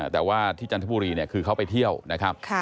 แต่ว่าที่จันทบุรีคือเขาไปเที่ยวนะครับ